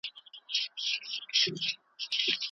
موږ باید له هرې ستونزې ګام جوړ کړو.